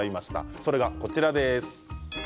それがこちらです。